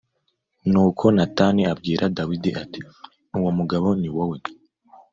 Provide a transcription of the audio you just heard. nuko natani abwira dawidi ati “uwo mugabo ni wowe